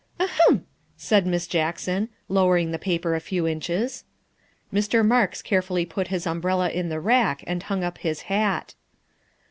"Ahem," said Miss Jackson, lowering the paper a few inches. Mr. Marks carefully put his umbrella in the rack and hung up his hat.